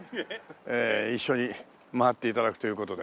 ええ一緒に回って頂くという事で。